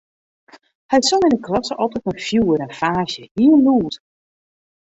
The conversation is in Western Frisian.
Hy song yn 'e klasse altyd mei fjoer en faasje, heel lûd.